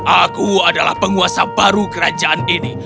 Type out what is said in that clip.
aku adalah penguasa baru kerajaan ini